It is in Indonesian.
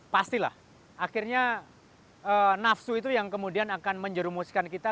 pastilah akhirnya nafsu itu yang kemudian akan menjerumuskan kita